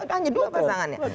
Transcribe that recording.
hanya dua pasangan ya